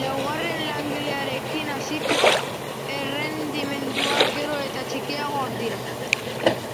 Laugarren langilearekin hasita, errendimenduak gero eta txikiagoak dira.